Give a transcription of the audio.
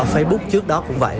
facebook trước đó cũng vậy